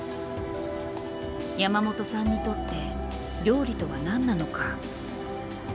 山本さんにとって料理とは何なのか？